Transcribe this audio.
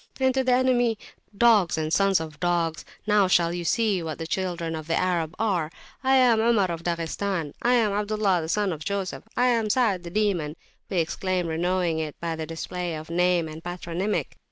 and to the enemy "Dogs and sons of dogs! now shall you see what the children of the Arab are." "I am Omar of Daghistan!" "I am Abdullah the son of Joseph!" "I am Sa'ad the Demon!" we exclaimed, "renowning it" by this display of name and patronymic.